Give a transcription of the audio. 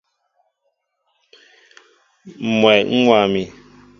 Mwɛy ń wa mi.